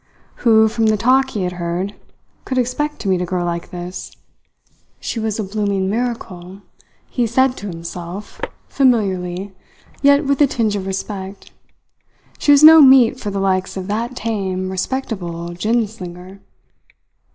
Who, from the talk he had heard, could expect to meet a girl like this? She was a blooming miracle, he said to himself, familiarly, yet with a tinge of respect. She was no meat for the likes of that tame, respectable gin slinger.